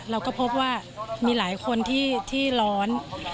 เราก็พบว่ามีหลายคนที่ร้อน